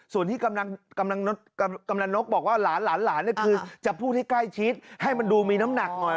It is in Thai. ส่วนที่กำลังนกบอกว่าหลานคือจะพูดให้ใกล้ชิดให้มันดูมีน้ำหนักหน่อย